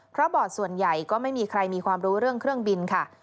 เพราะบอร์ดส่วนใหญ่ก็ไม่มีใครมีความรู้เรื่องเครื่องบินค่ะ